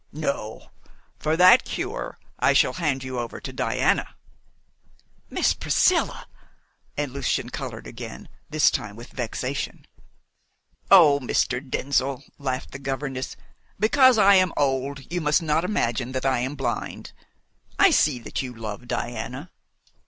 "No. For that cure I shall hand you over to Diana." "Miss Priscilla!" And Lucian coloured again, this time with vexation. "Oh, Mr. Denzil," laughed the governess, "because I am old you must not imagine that I am blind. I see that you love Diana."